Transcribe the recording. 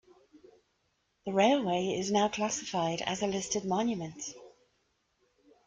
The railway is now classified as a listed monument.